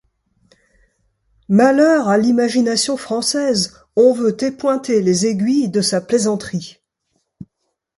Malheur à l’imagination française, on veut épointer les aiguilles de sa plaisanterie!